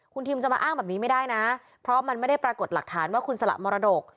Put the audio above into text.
คุณทิมจะมาอ้างแบบนี้ไม่ได้นะเพราะมันไม่ได้ปรากฏหลักฐานว่าคุณสละมรดก